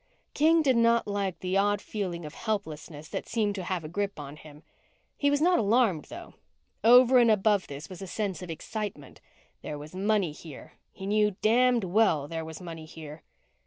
King did not like the odd feeling of helplessness that seemed to have a grip on him. He was not alarmed, though. Over and above this was a sense of excitement. There was money here he knew damned well there was money here.